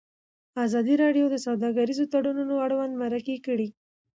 ازادي راډیو د سوداګریز تړونونه اړوند مرکې کړي.